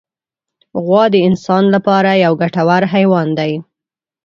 غوا د انسان له پاره یو ګټور حیوان دی.